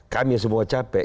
kami semua capek